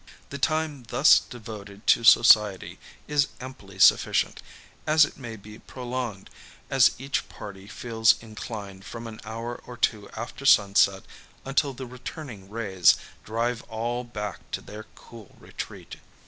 The time thus devoted to society, is amply sufficient; as it may be prolonged, as each party feels inclined, from an hour or two after sunset, until the returning rays drive all back to their cool retreat.